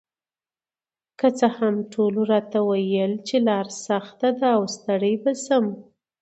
که څه هم ټولو راته ویل چې لار سخته ده او ستړې به شم،